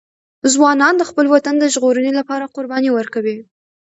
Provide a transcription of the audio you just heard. ځوانان د خپل وطن د ژغورنې لپاره قرباني ورکوي.